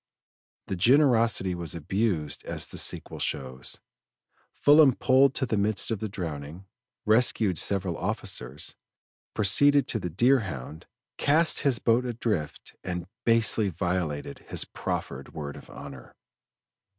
The generosity was abused as the sequel shows. Fullam pulled to the midst of the drowning, rescued several officers, proceeded to the Deerhound, cast his boat adrift, and basely violated his proffered word of honor.